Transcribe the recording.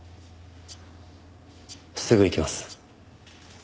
すぐ行きます。